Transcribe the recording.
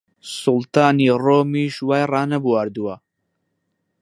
سوڵتانی ڕۆمیش وای ڕانەبواردووە!